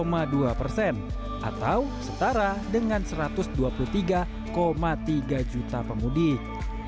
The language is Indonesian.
jumlahnya tumbuh empat belas dua persen atau setara dengan satu ratus dua puluh tiga tiga juta pemudik